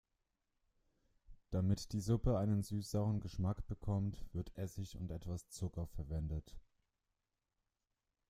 Damit die Suppe einen süß-sauren Geschmack bekommt, wird Essig und etwas Zucker verwendet.